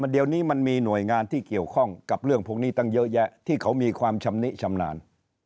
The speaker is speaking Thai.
เดี๋ยวนี้มันมีหน่วยงานที่เกี่ยวข้องกับเรื่องพวกนี้ตั้งเยอะแยะที่เขามีความชำนิชำนาญ